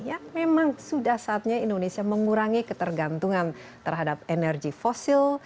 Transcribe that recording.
ya memang sudah saatnya indonesia mengurangi ketergantungan terhadap energi fosil